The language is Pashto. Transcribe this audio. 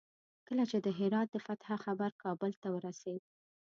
کله چې د هرات د فتح خبر کابل ته ورسېد.